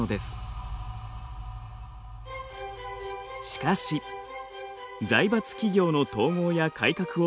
しかし財閥企業の統合や改革を断行。